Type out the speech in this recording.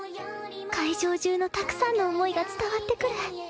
会場中のたくさんの思いが伝わってくる。